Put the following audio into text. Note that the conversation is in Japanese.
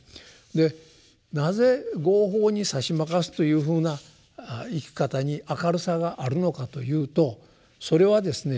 でなぜ「業報にさしまかす」というふうな生き方に明るさがあるのかというとそれはですね